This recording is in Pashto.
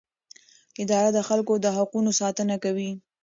اداره د خلکو د حقونو ساتنه کوي.